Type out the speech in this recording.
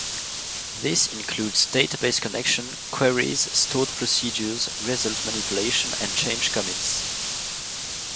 This includes database connection, queries, stored procedures, result manipulation, and change commits.